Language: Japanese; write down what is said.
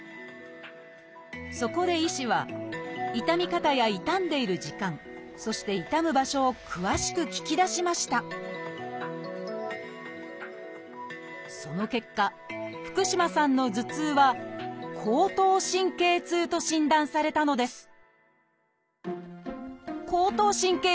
そこで医師は痛み方や痛んでいる時間そして痛む場所を詳しく聞き出しましたその結果福嶋さんの頭痛は「後頭神経痛」と診断されたのです